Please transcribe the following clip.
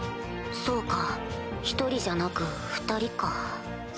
そうか１人じゃなく２人か。